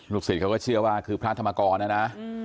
ศิษย์เขาก็เชื่อว่าคือพระธรรมกรนะนะ